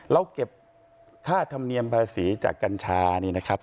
เราเก็บค่าธรรมเนียมภาษีจากกัญชานี่นะครับ